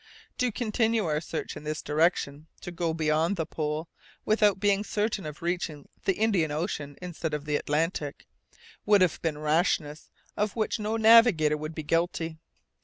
To continue our search in this direction, to go beyond the pole, without being certain of reaching the Indian Ocean instead of the Atlantic, would have been rashness of which no navigator would be guilty.